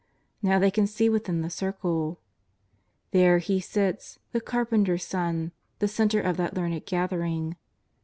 Now they can see within the circle. There He sits, the carpenter's Son, the centre of that learned gathering.